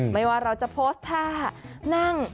ไม่ว่าเราจะโพสต์ท่านั่ง